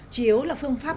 chỉ yếu là phương pháp